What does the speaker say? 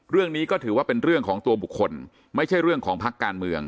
เรื่องนี้ก็ถือว่าเป็นเรื่องของตัวบุคคลไม่ใช่เรื่องของพักการเมือง